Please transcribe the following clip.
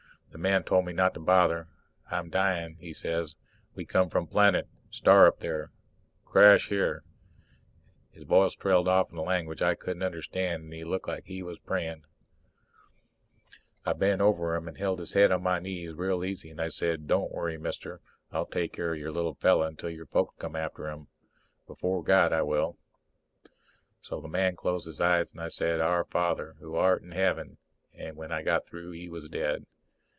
The man told me not to bother. "I dying," he says. "We come from planet star up there crash here " His voice trailed off into a language I couldn't understand, and he looked like he was praying. I bent over him and held his head on my knees real easy, and I said, "Don't worry, mister, I'll take care of your little fellow until your folks come after him. Before God I will." So the man closed his eyes and I said, Our Father which art in Heaven, and when I got through he was dead.